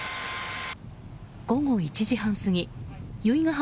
午後１時半過ぎ由比ガ浜